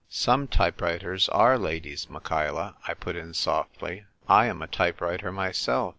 "Some type writers are ladies, Michaela," I put in softly. "I am a type writer myself."